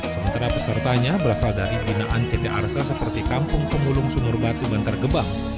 sementara pesertanya berasal dari binaan ct arsa seperti kampung pemulung sumur batu bantar gebang